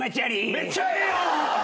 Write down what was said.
めっちゃいいやん！